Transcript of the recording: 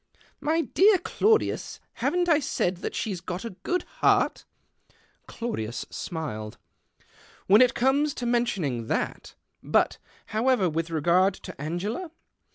" My dear Claudius, haven't I said that •;lie's got a good heart ?" Claudius smiled. " "When it comes to men ionino that But, however, with reo; ard :o Angela